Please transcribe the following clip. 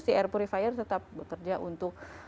si air purifier tetap bekerja untuk